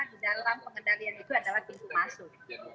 di dalam pengendalian itu adalah pintu masuk